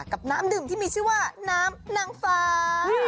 น้ำดื่มที่มีชื่อว่าน้ำนางฟ้า